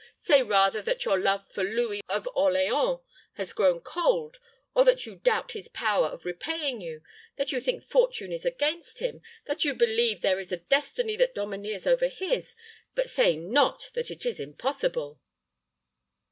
Say rather that your love for Louis of Orleans has grown cold, or that you doubt his power of repaying you that you think fortune is against him that you believe there is a destiny that domineers over his. But say not that it is impossible."